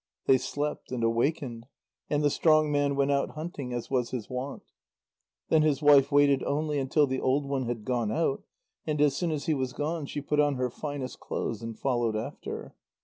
They slept, and awakened, and the strong man went out hunting as was his wont. Then his wife waited only until the old one had gone out, and as soon as he was gone, she put on her finest clothes and followed after.